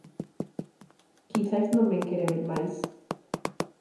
Quizais non me quere ver máis.